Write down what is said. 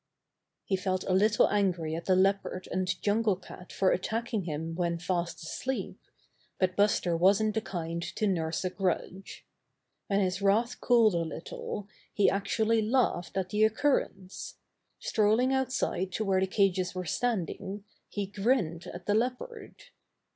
He felt a little angry at the Leopard and Jungle Cat for attacking him when fast asleep, but Buster wasn't the kind to nurse a grudge. When his wrath cooled a little he actually laughed at the occurrence. Strolling outside to where the cages were standing, he grinned at the Leopard.